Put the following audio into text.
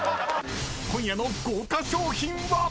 ［今夜の豪華賞品は⁉］